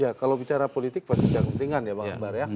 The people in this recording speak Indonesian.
ya kalau bicara politik pasti kepentingan ya bang akbar ya